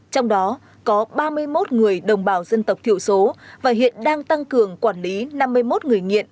trong đó có ba mươi một người đồng bào dân tộc thiểu số và hiện đang tăng cường quản lý năm mươi một người nghiện